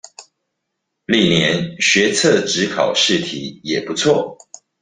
歷年學測指考試題也不錯